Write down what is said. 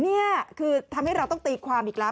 นี่คือทำให้เราต้องตีความอีกแล้ว